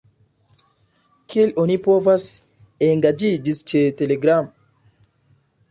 Kiel oni povas engaĝiĝi ĉe Telegram?